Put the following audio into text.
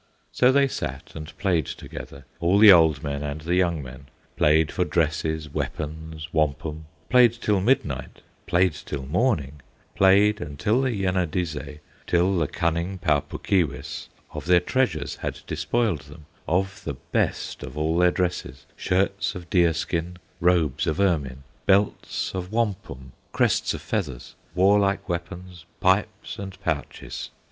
So they sat and played together, All the old men and the young men, Played for dresses, weapons, wampum, Played till midnight, played till morning, Played until the Yenadizze, Till the cunning Pau Puk Keewis, Of their treasures had despoiled them, Of the best of all their dresses, Shirts of deer skin, robes of ermine, Belts of wampum, crests of feathers, Warlike weapons, pipes and pouches.